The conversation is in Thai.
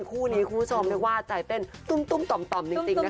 คู่นี้คุณผู้ชมเรียกว่าใจเต้นตุ้มต่อมจริงนะคะ